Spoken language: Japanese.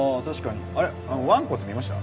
あれわんこって見ました？